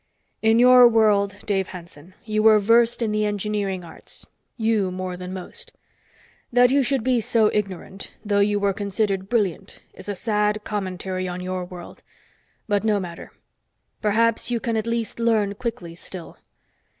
"In your world, Dave Hanson, you were versed in the engineering arts you more than most. That you should be so ignorant, though you were considered brilliant is a sad commentary on your world. But no matter. Perhaps you can at least learn quickly still.